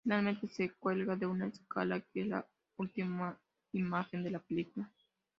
Finalmente, se cuelga de una escala, que es la última imagen de la película.